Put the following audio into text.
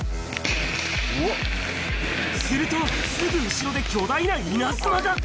すると、すぐ後ろで巨大な稲妻が。